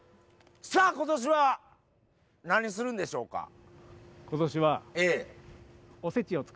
さあ今年は何するんでしょうか？